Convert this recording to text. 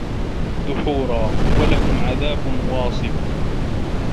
دُحورًا وَلَهُم عَذابٌ واصِبٌ